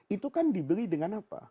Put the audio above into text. itu kan dibeli dengan apa